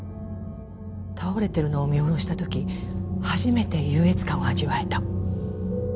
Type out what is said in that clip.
倒れてるのを見下ろした時初めて優越感を味わえた。